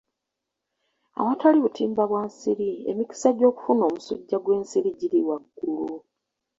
Awatali butimba bwa nsiri emikisa gy'okufuna omusujja gw'ensiri giri waggulu.